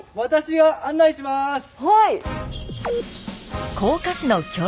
はい。